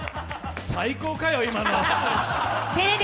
最高かよ、今のは。